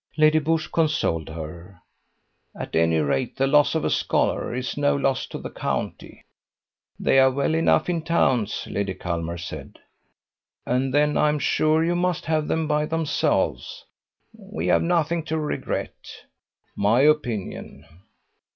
Lady Busshe consoled her. "At any rate, the loss of a scholar is no loss to the county." "They are well enough in towns," Lady Culmer said. "And then I am sure you must have them by themselves." "We have nothing to regret." "My opinion."